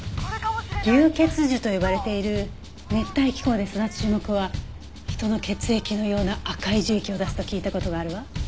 竜血樹と呼ばれている熱帯気候で育つ樹木は人の血液のような赤い樹液を出すと聞いた事があるわ。